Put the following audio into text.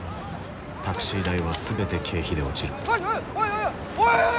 タクシー代は全て経費で落ちる。